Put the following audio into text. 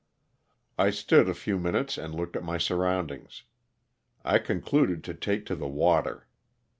I stood a few minutes and looked at my surroundings. I concluded to take to the water.